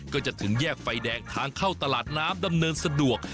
ก็จะถึงแยกไฟแดงทางเข้าตลาดน้ำดำเนินสะดวก